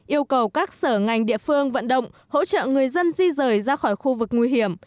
yêu cầu các sở ngành địa phương vận động hỗ trợ người dân di rời ra khỏi khu vực nguy hiểm